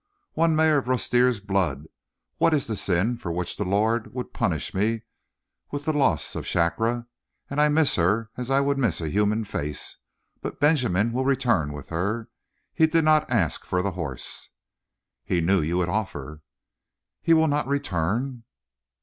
"One mare of Rustir's blood! What is the sin for which the Lord would punish me with the loss of Shakra? And I miss her as I would miss a human face. But Benjamin will return with her. He did not ask for the horse." "He knew you would offer." "He will not return?"